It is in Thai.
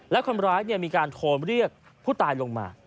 และคนร้ายมีการโทรเรียกผู้ตายลงมา